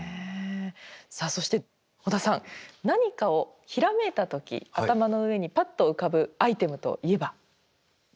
さあそして織田さん何かをひらめいた時頭の上にぱっと浮かぶアイテムといえば？